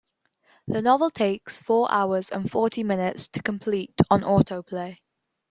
The novel takes four hours and forty minutes to complete on auto play.